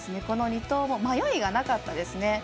この２投も迷いがなかったですね。